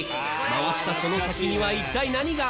回したその先には一体何が？